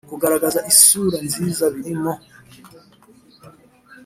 Kugaragaza isura nziza birimo